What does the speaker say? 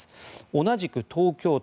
同じく東京都